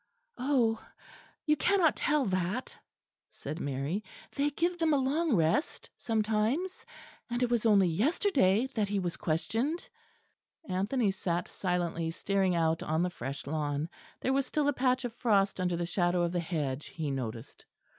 "Oh, you cannot tell that," said Mary, "they give them a long rest sometimes; and it was only yesterday that he was questioned." Anthony sat silently staring out on the fresh lawn; there was still a patch of frost under the shadow of the hedge he noticed.